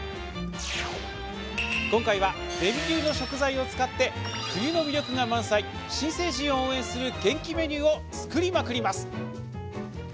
今回は、レミ流の食材を使って冬の魅力が満載新成人を応援する元気メニューを作りまくります。